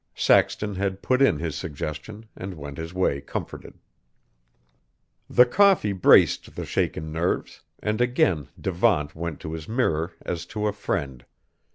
Saxton had put in his suggestion, and went his way comforted. The coffee braced the shaken nerves, and again Devant went to his mirror as to a friend.